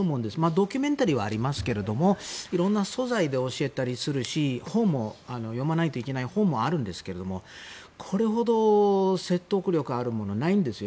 ドキュメンタリーはありますがいろんな素材で教えたりするし読まないといけない本もあるんですけどもこれほど説得力があるものはないんですよ。